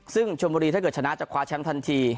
ซึ่งชมบุรีถ้าเกิดชนะจะคว้าแชมป์ทันที